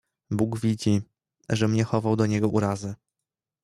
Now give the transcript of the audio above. "Bóg widzi, żem nie chował do niego urazy."